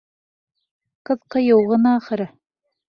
Ҡыҙ ҡыйыу ғына, ахыры.